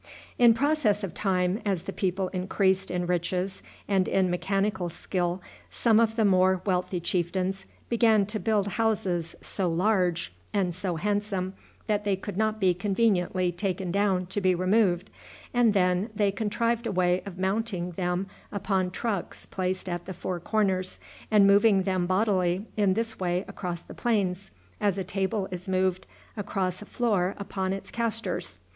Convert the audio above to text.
In process of time, as the people increased in riches and in mechanical skill, some of the more wealthy chieftains began to build houses so large and so handsome that they could not be conveniently taken down to be removed, and then they contrived a way of mounting them upon trucks placed at the four corners, and moving them bodily in this way across the plains, as a table is moved across a floor upon its castors.